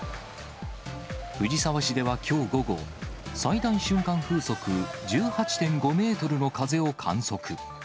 藤沢市ではきょう午後、最大瞬間風速１８．５メートルの風を観測。